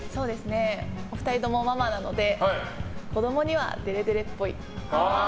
お二人ともママなので子供にはでれでれっぽい。